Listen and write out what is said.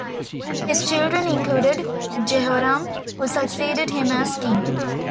His children included Jehoram, who succeeded him as king.